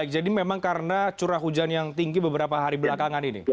jadi memang karena curah hujan yang tinggi beberapa hari belakangan ini